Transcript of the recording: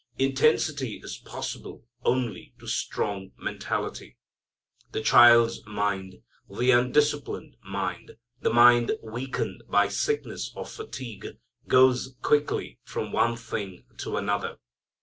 Intensity is possible only to strong mentality. The child's mind, the undisciplined mind, the mind weakened by sickness or fatigue goes quickly from one thing to another.